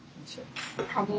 カレー。